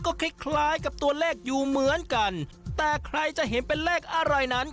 ก็คล้ายคล้ายกับตัวเลขอยู่เหมือนกันแต่ใครจะเห็นเป็นเลขอะไรนั้น